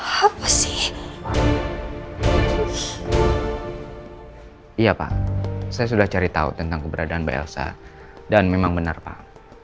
from me nba selesai ya pak saya sudah cari tahu tentang keberadaanragepsa dan memang benar pak